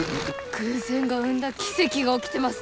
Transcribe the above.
偶然が生んだ奇跡が起きてます